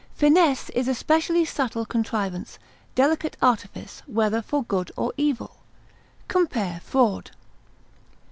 Finesse is especially subtle contrivance, delicate artifice, whether for good or evil. Compare FRAUD.